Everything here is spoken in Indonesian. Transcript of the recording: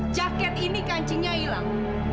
jaket ini kancingnya hilang